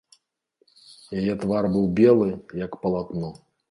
Яе твар быў белы, як палатно.